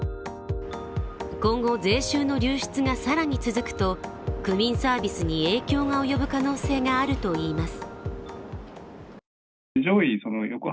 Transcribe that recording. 今後、税収の流出が更に続くと、区民サービスに影響が及ぶ可能性があるといいます。